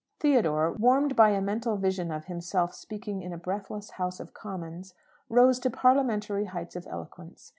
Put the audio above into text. Theodore, warmed by a mental vision of himself speaking in a breathless House of Commons, rose to parliamentary heights of eloquence.